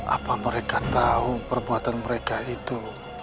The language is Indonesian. apa mereka tahu perbuatan mereka itu